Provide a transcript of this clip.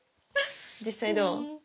実際どう？